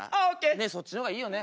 ねえそっちの方がいいよね。